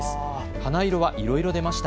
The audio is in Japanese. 花色は、いろいろ出ました。